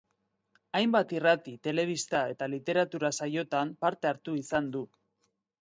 Hainbat irrati, telebista eta literatura-saiotan parte hartu izan du.